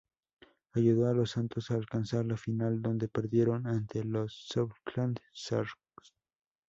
Ayudó a los Santos a alcanzar la final, donde perdieron ante los Southland Sharks.